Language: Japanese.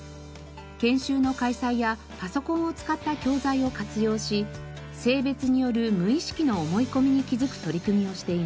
研修の開催やパソコンを使った教材を活用し性別による無意識の思い込みに気づく取り組みをしています。